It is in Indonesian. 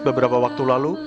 beberapa waktu lalu